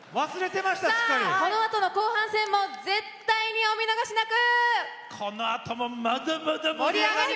さあ、このあとの後半戦も絶対にお見逃しなく！